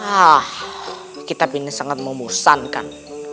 ah kitab ini sangat memusankan